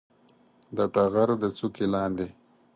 د ټغر د څوکې لاندې